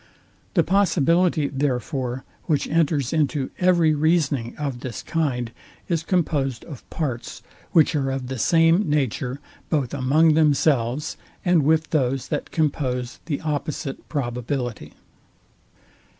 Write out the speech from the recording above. The possibility, therefore, which enters into every reasoning of this kind, is composed of parts, which are of the same nature both among themselves, and with those, that compose the opposite probability.